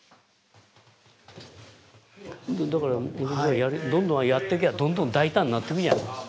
だからどんどんやってきゃどんどん大胆になってくんや。